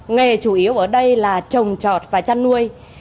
nghề chủ yếu ở đây là trồng trọt và chăn nuôi